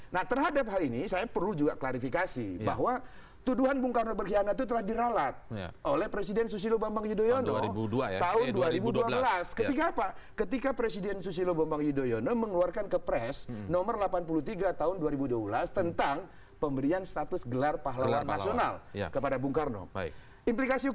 nah terhadap hal ini saya perlu juga klarifikasi